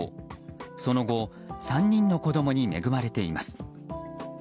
その後３人の子供に恵まれています。